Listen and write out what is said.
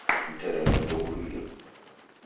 Mterengo ndeghurughilo